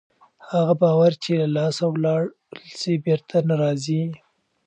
هغه باور چې له لاسه ولاړ سي بېرته نه راځي.